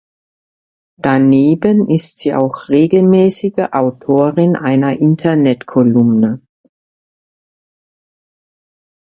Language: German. Daneben ist sie auch regelmäßige Autorin einer Internet-Kolumne.